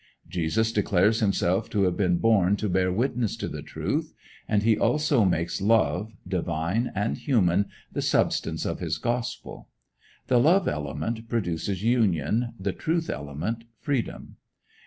Jesus declares himself to have been born "to bear witness to the truth," and he also makes love, divine and human, the substance of his gospel. The love element produces union, the truth element, freedom.